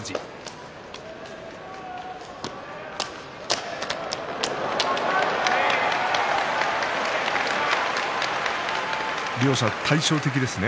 拍手両者、対照的ですね。